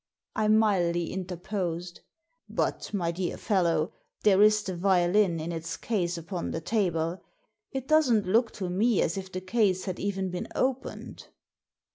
" I mildly interposed — "But, my dear fellow, there is the violin in its case upon the table. It doesn't look to me as if the case had even been opened."